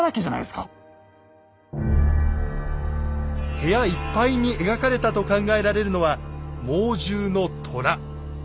部屋いっぱいに描かれたと考えられるのは猛獣の虎。